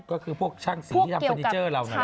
ก็คือพวกช่างสีที่ทำเฟอร์นิเจอร์เรานั่นแหละ